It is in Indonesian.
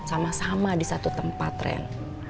sama sama di satu tempat rem